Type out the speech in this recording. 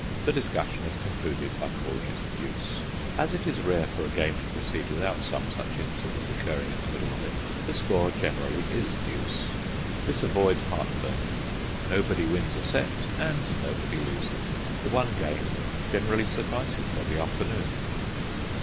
The discussion is concluded by calling it deuce. As it is rare for a game to proceed without some such incident occurring in the middle of it, the score generally is deuce. This avoids heart burning; nobody wins a set and nobody loses. The one game generally suffices for the afternoon.